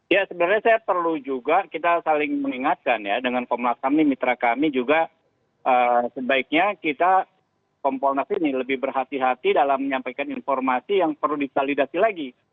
ya sebenarnya saya perlu juga kita saling mengingatkan ya dengan komnas ham ini mitra kami juga sebaiknya kita kompolnas ini lebih berhati hati dalam menyampaikan informasi yang perlu divalidasi lagi